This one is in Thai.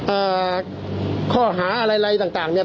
อ่าข้อหาอะไรอะไรต่างต่างเนี่ย